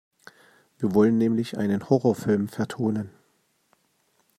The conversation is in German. Wir wollen nämlich einen Horrorfilm vertonen.